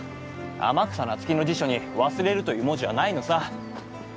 天草那月の辞書に忘れるという文字はないのさ。